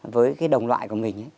với cái đồng loại của mình